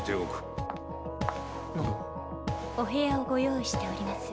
お部屋をご用意しております。